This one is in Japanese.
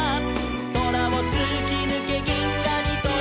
「そらをつきぬけぎんがにとどく」